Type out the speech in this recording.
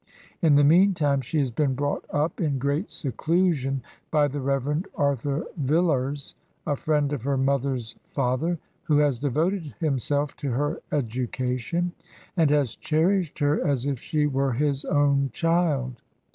In the mean time she has been brought up in great seclusion by the Rev. Arthur Villars, a friend of her mother's fa ther, who has devoted himself to her education, and has cherished her as if she were his own child.